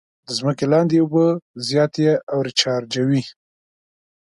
د ځمکې لاندې اوبه زیاتې او ریچارجوي.